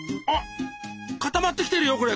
あっ固まってきてるよ